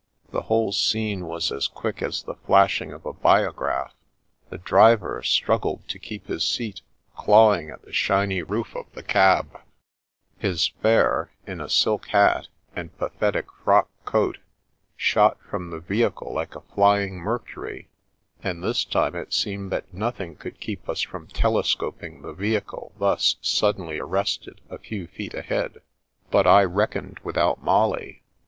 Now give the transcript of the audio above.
The whole scene was as quick as the flashing of a biograph. The driver struggled to keep his seat, clawing at the shiny roof of the cab ; his fare, in a silk hat and pa 24 The Princess Passes thetic frock coat, shot from the vehicle like a flying Mercury, and this time it seemed that nothing could keep us from telescoping the vehicle thus suddenly arrested a few feet ahead. But I reckoned without Molly.